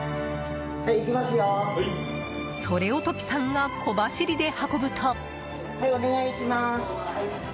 それをトキさんが小走りで運ぶと。